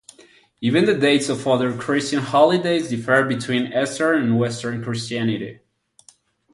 Even the dates of other Christian holidays differ between Eastern and Western Christianity.